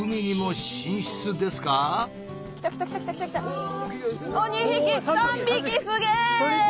おっ２匹３匹すげえ！